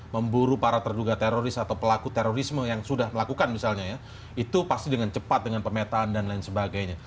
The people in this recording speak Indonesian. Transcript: memburu para terduga teroris atau pelaku terorisme yang sudah melakukan misalnya ya itu pasti dengan cepat dengan pemetaan dan lain sebagainya